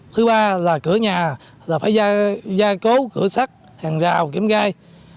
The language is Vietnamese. thứ ba là cửa nhà là phải gia cố cửa sắt hàng rào kiểm gai